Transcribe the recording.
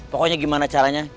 pokoknya gimana caranya